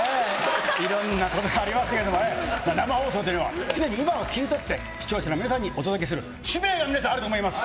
いろんなことがありますけどもね、生放送というのは常に今を切り取って、視聴者の皆さんにお届けする使命が皆さん、あると思います。